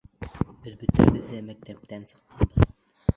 Беҙ бөтәбеҙ ҙә мәктәптән сыҡҡанбыҙ.